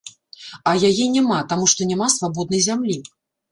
А яе няма, таму што няма свабоднай зямлі.